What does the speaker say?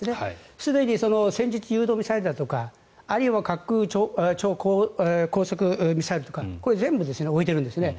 すでに戦術誘導ミサイルだとかあるいは滑空超高速ミサイルだとかこれは全て全部置いているんです。